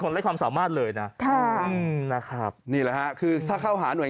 ไร้ความสามารถเลยนะค่ะนะครับนี่แหละฮะคือถ้าเข้าหาหน่วย